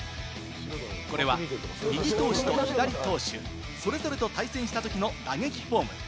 これは右投手と左投手、それぞれと対戦したときの打撃フォーム。